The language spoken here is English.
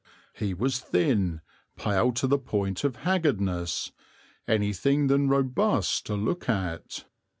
He was thin, pale to the point of haggardness, anything than robust to look at.